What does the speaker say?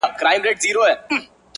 دا کيږي چي زړه له ياده وباسم ـ